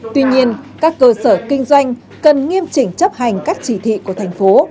tuy nhiên các cơ sở kinh doanh cần nghiêm chỉnh chấp hành các chỉ thị của thành phố